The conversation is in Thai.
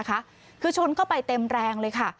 คือชนเข้าไปเต็มแรงเลยค่ะ